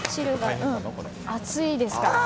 熱いですからね。